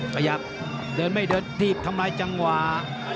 ขยับเดินไม่เดินถีบทำลายจังหวะ